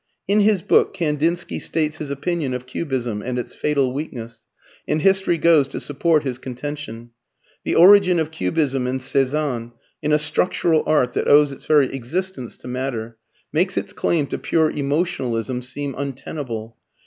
In his book, Kandinsky states his opinion of Cubism and its fatal weakness, and history goes to support his contention. The origin of Cubism in Cezanne, in a structural art that owes its very existence to matter, makes its claim to pure emotionalism seem untenable.